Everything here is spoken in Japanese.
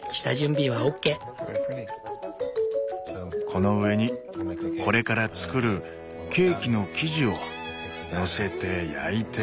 この上にこれからつくるケーキの生地をのせて焼いて。